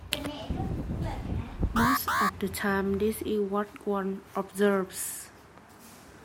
Most of the time this is what one observes.